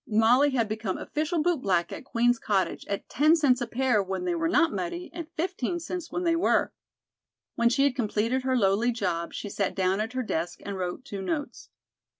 Molly had become official bootblack at Queen's Cottage at ten cents a pair when they were not muddy, and fifteen cents when they were. When she had completed her lowly job she sat down at her desk and wrote two notes.